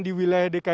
di wilayah dki jakarta